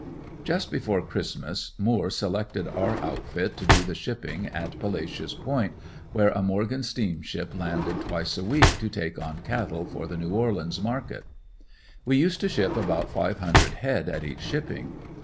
Just before Christmas Moore selected our outfit to do the shipping at Palacious Point, where a Morgan steamship landed twice a week to take on cattle for the New Orleans market. We used to ship about five hundred head at each shipping.